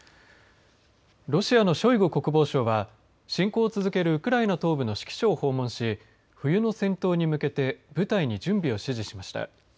ロシアのショイグ国防相は侵攻を続けるウクライナ東部の指揮所を訪問し冬の戦闘に向けて部隊に準備を指示しました。